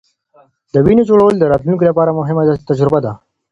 د وینې جوړول د راتلونکې لپاره مهمه تجربه ده.